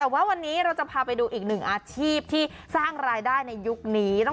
แต่ว่าวันนี้เราจะพาไปดูอีกหนึ่งอาชีพที่สร้างรายได้ในยุคนี้